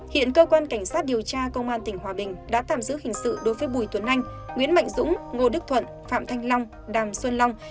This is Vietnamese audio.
hiện cơ quan cảnh sát điều tra công an tỉnh hòa bình đã tạm giữ hình sự đối với bùi tuấn anh nguyễn mạnh dũng ngô đức thuận phạm thanh long đàm xuân long